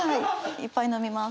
いっぱい飲みます。